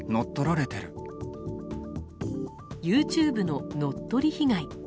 ＹｏｕＴｕｂｅの乗っ取り被害。